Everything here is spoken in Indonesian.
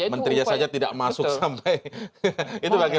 menterinya saja tidak masuk sampai